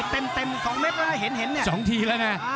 เต็มเต็มตัวเห็นเห็นสองทีแล้วหนังอ่า